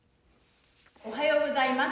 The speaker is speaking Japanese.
おはようございます。